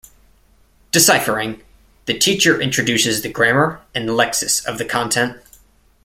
Deciphering: The teacher introduces the grammar and lexis of the content.